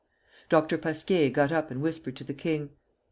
Dr. Pasquier got up and whispered to the king.